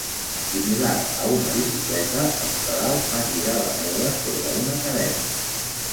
Similar a una bicicleta, els pedals fan girar les rodes sobre una cadena.